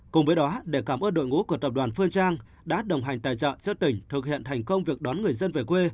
cùng với đó để cảm ơn đội ngũ của tập đoàn phương trang đã đồng hành tài trợ cho tỉnh thực hiện thành công việc đón người dân về quê